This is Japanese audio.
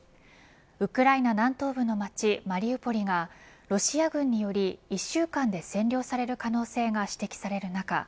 ウクライナ南東部の街マリウポリがロシア軍により１週間で占領される可能性が指摘される中